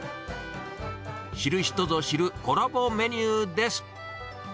知る人ぞ知るコラボメニューです。